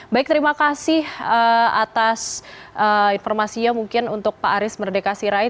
baik terima kasih atas informasinya mungkin untuk pak aris merdeka sirait